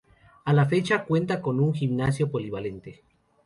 A la fecha, cuenta con un gimnasio polivalente.